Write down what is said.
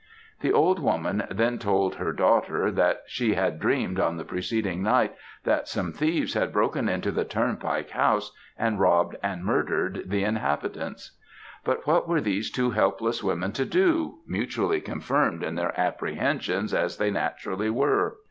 "The old woman then told her daughter that she had dreamed on the preceding night that some thieves had broken into the turnpike house, and robbed and murdered the inhabitants. "But what were these two helpless women to do, mutually confirmed in their apprehensions as they naturally were?